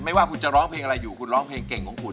ว่าคุณจะร้องเพลงอะไรอยู่คุณร้องเพลงเก่งของคุณ